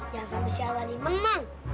jangan sampai si aladin menang